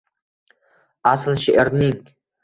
Asl she’rning